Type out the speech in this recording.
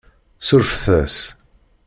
Surfet-as.